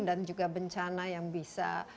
dan juga bencana yang bisa